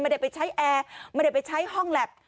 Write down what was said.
ไม่ได้ไปใช้แอร์ไม่ได้ไปใช้ห้องแล็บ